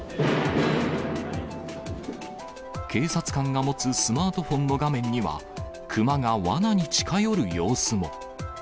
警察官が持つスマートフォンの画面には、熊がわなに近寄る様子も。